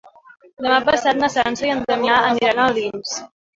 Demà passat na Sança i en Damià aniran a Alins.